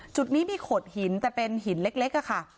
จุดนี้มีโขดหินแต่เป็นหินเล็กค่ะ